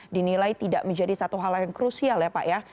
dinilai tidak menjadi satu hal yang krusial ya pak ya